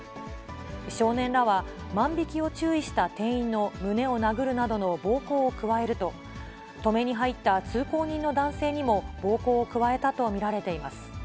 少年らは、万引きを注意した店員の胸を殴るなどの暴行を加えると、止めに入った通行人の男性にも暴行を加えたと見られています。